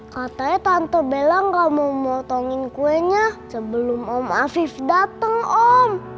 katanya tante bella gak mau memotongin kuenya sebelum om afif datang om